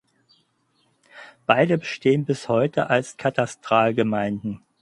Beide bestehen bis heute als Katastralgemeinden.